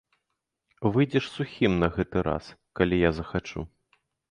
Выйдзеш сухім на гэты раз, калі я захачу.